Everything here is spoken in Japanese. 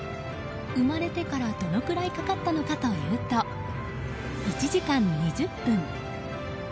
生まれてから、どのくらいが経ったのかというと１時間２０分。